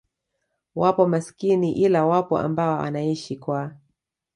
wapo masikini ila wapo ambao wanaishi kwa